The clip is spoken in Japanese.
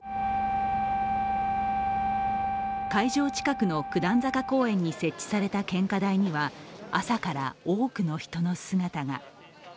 会場近くの九段坂公園に設置された献花台には朝から多くの人の姿が。